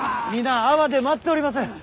皆安房で待っております。